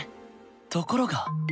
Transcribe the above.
ところが。